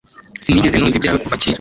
Sinigeze numva ibyawe kuva kera